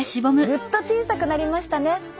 ぐっと小さくなりましたね。